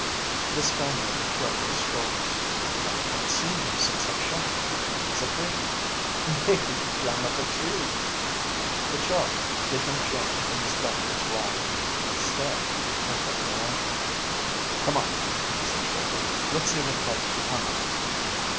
The Spaniard shrugged his shoulders. "I have not seen him since I shot. He is afraid maybe. Maybe he climb up a tree." But Charley did not join in the Spaniard's laugh; instead, he picked up the lantern. "Come on," he said shortly. "Let's see what has become of him."